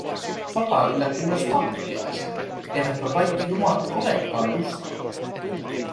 Sota yllätti myös tappiaiset - eivätkö kaikki jumalat olekaan ystäviä?